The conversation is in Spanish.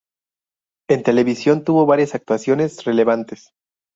En televisión tuvo varias actuaciones relevantes.